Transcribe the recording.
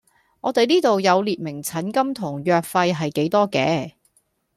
我哋呢度有列明診金同藥費係幾多嘅